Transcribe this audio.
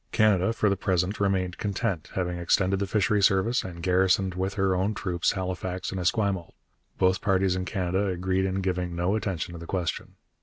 Canada for the present remained content, having extended the fishery service and garrisoned with her own troops Halifax and Esquimalt. Both parties in Canada agreed in giving no attention to the question.